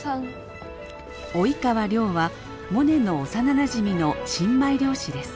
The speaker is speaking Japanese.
及川亮はモネの幼なじみの新米漁師です。